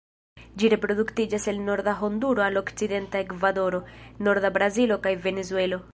Ĝi reproduktiĝas el norda Honduro al okcidenta Ekvadoro, norda Brazilo kaj Venezuelo.